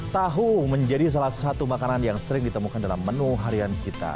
tahu menjadi salah satu makanan yang sering ditemukan dalam menu harian kita